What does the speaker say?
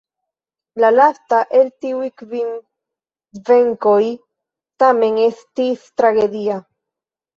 La lasta el tiuj kvin venkoj tamen estis tragedia.